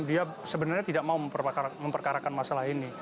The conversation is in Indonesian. dia sebenarnya tidak mau memperkarakan masalah ini